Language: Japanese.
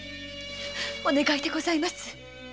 お願いでございます。